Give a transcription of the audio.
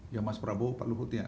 ya mas prabowo pak luhutnya